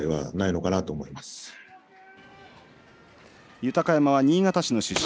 豊山は新潟市の出身